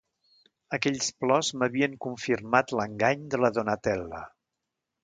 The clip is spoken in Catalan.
Aquells plors m'havien confirmat l'engany de la Donatella...